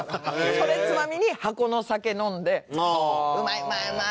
それつまみに箱の酒飲んで「うまいうまいうまい！」